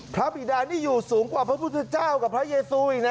บิดานี่อยู่สูงกว่าพระพุทธเจ้ากับพระเยซูอีกนะ